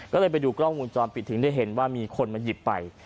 ก็เลยไปดูกล้องวงจรปิดถึงได้เห็นว่ามีคนมาหยิบไป